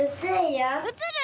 うつるよ。